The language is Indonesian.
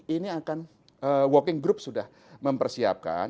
ini akan working group sudah mempersiapkan